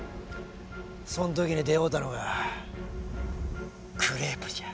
そん時に出会うたのがクレープじゃ。